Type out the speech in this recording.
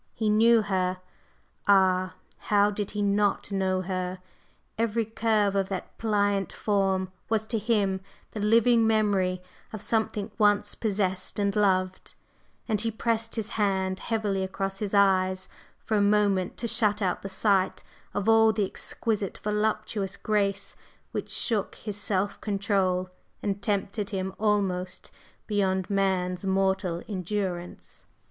He knew her! Ah! how did he not know her? Every curve of that pliant form was to him the living memory of something once possessed and loved, and he pressed his hand heavily across his eyes for a moment to shut out the sight of all the exquisite voluptuous grace which shook his self control and tempted him almost beyond man's mortal endurance.